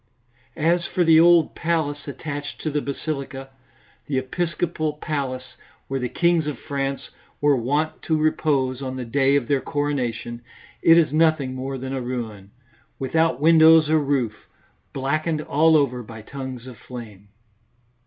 As for the old palace attached to the basilica, the episcopal palace where the kings of France were wont to repose on the day of their coronation, it is nothing more than a ruin, without windows or roof, blackened all over by tongues of flame.